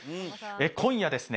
今夜ですね